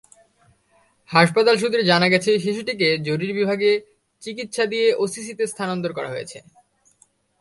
হাসপাতাল সূত্রে জানা গেছে, শিশুটিকে জরুরি বিভাগে চিকিৎসা দিয়ে ওসিসিতে স্থানান্তর করা হয়েছে।